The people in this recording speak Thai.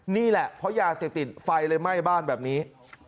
นี่แหละเพราะยาเสพติดไฟเลยไหม้บ้านแบบนี้